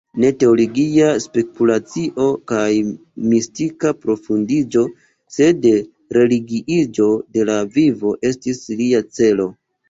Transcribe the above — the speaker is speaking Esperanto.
Ne teologia spekulacio kaj mistika profundiĝo, sed religiiĝo de la vivo estis lia celo.